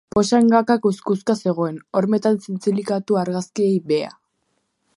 Posa Ngaka kukuzka zegoen, hormetan zintzilikatu argazkiei beha.